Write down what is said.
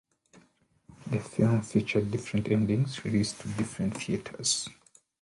The film, featured different endings released to different theatres.